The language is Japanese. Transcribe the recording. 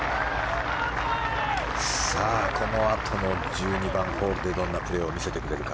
さあ、このあとの１２番ホールでどんなプレーを見せてくれるか。